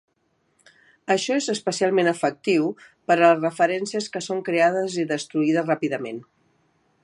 Això és especialment efectiu per a referències que són creades i destruïdes ràpidament.